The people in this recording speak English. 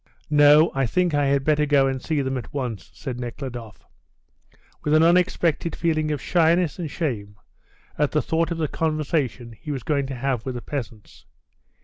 "No, I think I had better go and see them at once," said Nekhludoff, with an unexpected feeling of shyness and shame at the thought of the conversation he was going to have with the peasants.